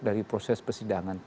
dari proses persidangan